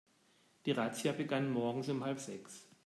Die Razzia begann morgens um halb sechs.